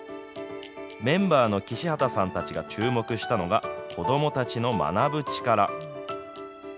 メンバーの岸畑さんたちが注目したのが、子どもたちの学ぶ力。